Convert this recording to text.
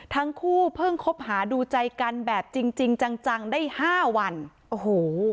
ทั้งคู่เพิ่งคบหาดูใจกันแบบจริงจริงจังจังได้ห้าวันโอ้โห